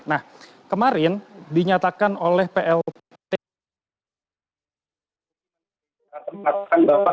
nah kemarin dinyatakan oleh plt